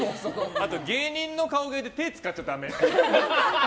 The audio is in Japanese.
あと芸人の顔芸で手を使っちゃだめ。